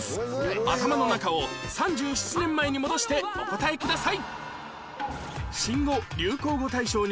頭の中を３７年前に戻してお答えください